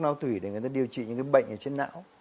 nau tủy để người ta điều trị những cái bệnh ở trên não